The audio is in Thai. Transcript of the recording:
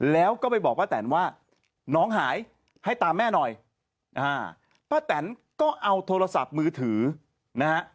แล้วก็ไปบอกป้าแตนว่าน้องหายให้ตามแม่หน่อยป้าแตนก็เอาโทรศัพท์มือถือนะฮะ